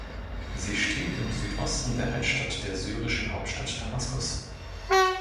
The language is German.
Sie steht im Südosten der Altstadt der syrischen Hauptstadt Damaskus.